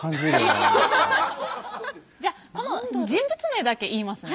じゃこの人物名だけ言いますね。